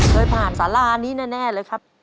เคยผ่านสารานี้แน่เลยครับ